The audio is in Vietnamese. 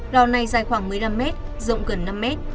lò này dài khoảng một mươi năm m rộng gần năm m